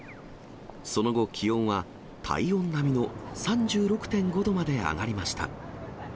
その後、気温は体温並みの３６．５度まで上がりました。